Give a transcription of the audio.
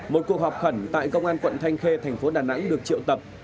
một cuộc họp khẩn tại công an quận thanh khê thành phố đà nẵng được triệu tập